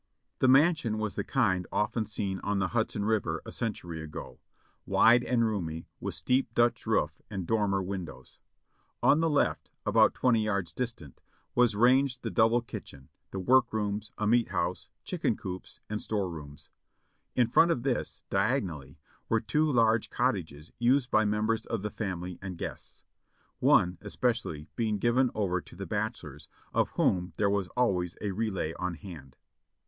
The mansion was the kind often seen on the Hudson River a century ago ; wide and roomy, with steep Dutch roof and dormer windows. On the left, about twenty yards distant, was ranged the double kitchen, the work rooms, a meat house, chicken coops, and store rooms. In front of this, diagonally, were two large cot tages used by members of the family and guests ; one, especially, being given over to the bachelors, of whom there was always a relay on hand.